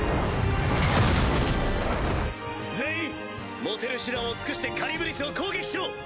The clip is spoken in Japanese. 全員持てる手段を尽くしてカリュブディスを攻撃しろ！